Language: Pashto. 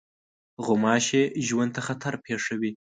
غوماشې ژوند ته خطر پېښوي.